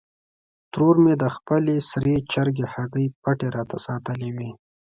ترور مې د خپلې سرې چرګې هګۍ پټې راته ساتلې وې.